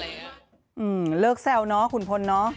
เลิกแซวเนอะขุนพลเนอะ